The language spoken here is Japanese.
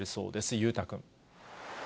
裕太君。